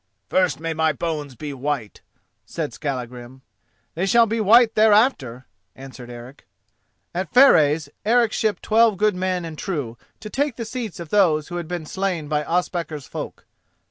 "First may my bones be white," said Skallagrim. "They shall be white thereafter," answered Eric. At Fareys Eric shipped twelve good men and true, to take the seats of those who had been slain by Ospakar's folk.